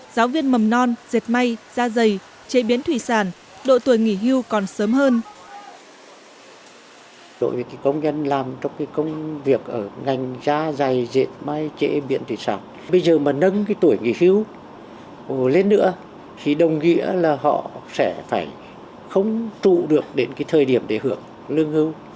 giáo viên mầm non dệt may da dày chế biến thủy sản độ tuổi nghỉ hưu còn sớm hơn